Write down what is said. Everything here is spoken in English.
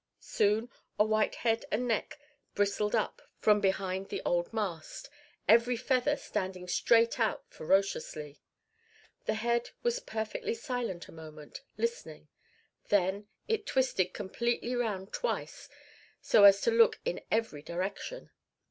Soon a white head and neck bristled up from behind the old mast, every feather standing straight out ferociously. The head was perfectly silent a moment, listening; then it twisted completely round twice so as to look in every direction.